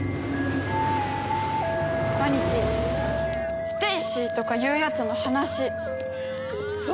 兄貴ステイシーとかいうやつの話どうすんの？